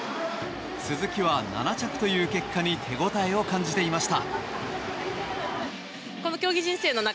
鈴木は７着という結果に手応えを感じていました。